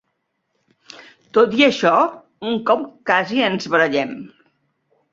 Tot i això, un cop casi ens barallem.